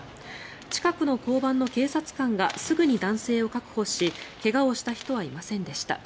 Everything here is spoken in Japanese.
近くの交番の警察官がすぐに男性を確保し怪我をした人はいませんでした。